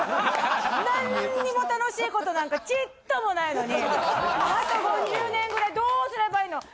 何にも楽しい事なんかちっともないのにあと５０年ぐらいどうすればいいの！？